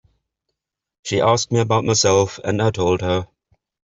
She asked me about myself, and I told her.